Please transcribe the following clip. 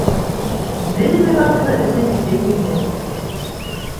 Бер-бер артлы өсөнсө еңеү